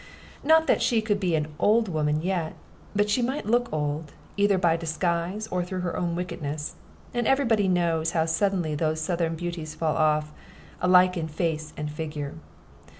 Not that she could be an "old woman" yet, but she might look old, either by disguise, or through her own wickedness; and every body knows how suddenly those southern beauties fall off, alike in face and figure.